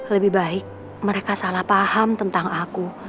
lebih baik mereka salah paham tentang aku